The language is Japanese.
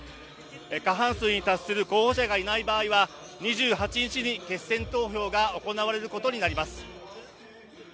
過半数に達する候補者がいない場合は２８日に決選投票が行われることになります。